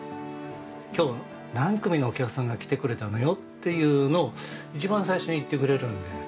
今日何組のお客さんが来てくれたのよっていうのを一番最初に言ってくれるんで。